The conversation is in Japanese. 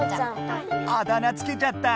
あだ名つけちゃった！